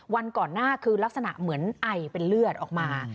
วันก่อนหน้าคือลักษณะเหมือนไอเป็นเลือดออกมา